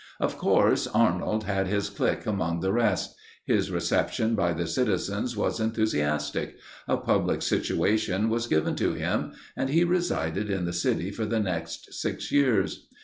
Of course, Arnold had his clique among the rest. His reception by the citizens was enthusiastic; a public situation was given to him; and he resided in the city for the next six years.